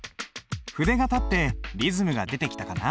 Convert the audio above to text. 筆が立ってリズムが出てきたかな？